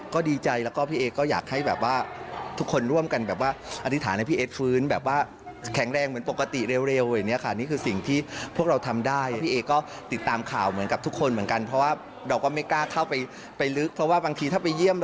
ก็ดีใจพี่เอก็อยากให้แบบว่าทุกคนร่วมกันอธิษฐานให้พี่เอสคืนด้วยแบบว่า